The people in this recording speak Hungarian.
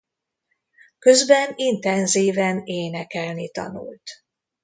Közben intenzíven énekelni tanult.